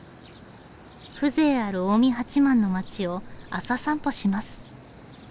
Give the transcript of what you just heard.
風情ある近江八幡の街を朝散歩します。